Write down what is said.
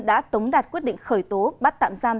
đã tống đạt quyết định khởi tố bắt tạm giam